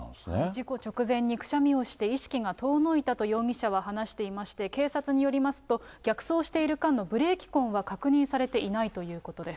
事故直前にくしゃみをして、意識が遠のいたと容疑者は話していまして、警察によりますと、逆走している間のブレーキ痕は確認されていないということです。